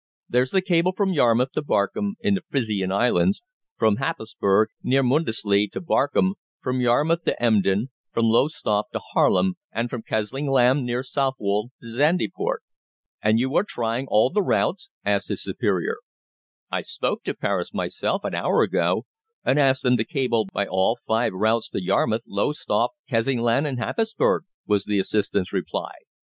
"There's the cable from Yarmouth to Barkum, in the Frisian Islands; from Happisburg, near Mundesley, to Barkum; from Yarmouth to Emden; from Lowestoft to Haarlem, and from Kessingland, near Southwold, to Zandyport." "And you are trying all the routes?" asked his superior. "I spoke to Paris myself an hour ago and asked them to cable by all five routes to Yarmouth, Lowestoft, Kessingland, and Happisburg," was the assistant's reply.